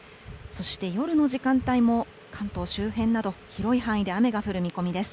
そして夜の時間帯も関東周辺など広い範囲で雨が降る見込みです。